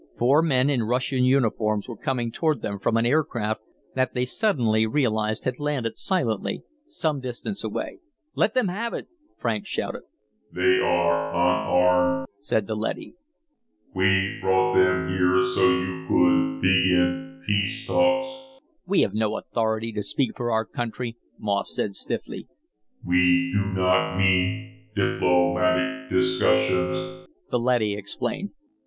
Four men in Russian uniforms were coming toward them from an aircraft that they suddenly realized had landed silently some distance away. "Let them have it!" Franks shouted. "They are unarmed," said the leady. "We brought them here so you could begin peace talks." "We have no authority to speak for our country," Moss said stiffly. "We do not mean diplomatic discussions," the leady explained.